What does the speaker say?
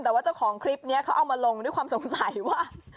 แต่ว่าเจ้าของคลิปนี้เขาเอามาลงด้วยความสงสัยว่า